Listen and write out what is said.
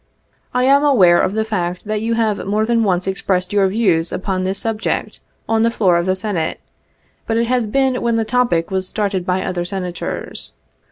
I am aware of the fact that you have more than once expressed your views upon this subject, on the floor of the Senate, but it has been when the topic was started by other Senators.